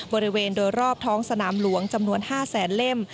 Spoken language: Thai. บริเวณโดยรอบท้องสนามหลวงจำนวน๕แสนเล่ม